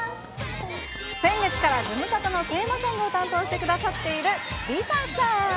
先月からズムサタのテーマソングを担当してくださっているＬｉＳＡさん。